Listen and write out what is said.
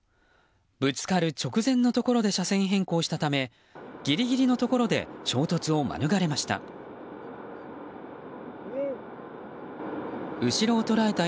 ぶつかる直前のところで車線変更したためギリギリのところで衝突を免れました。